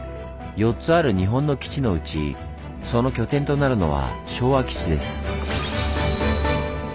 ４つある日本の基地のうちその拠点となるのは昭和基地です。